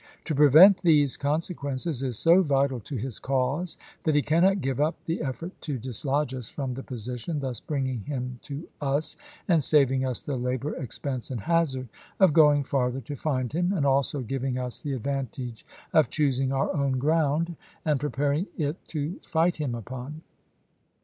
To prevent these consequences is so vital to his cause that he cannot give up the effort to dis lodge us from the position, thus bringing him to us, and saving us the labor, expense, and hazard of going farther to find him, and also giving us the advantage of choosing our own ground, and pre paring it to fight him upon.